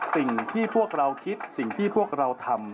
สิ่งที่พวกเราคิดสิ่งที่พวกเราทำ